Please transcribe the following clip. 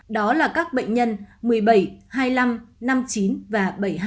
đó là các bệnh nhân một mươi bảy hai mươi năm năm mươi chín và bảy mươi hai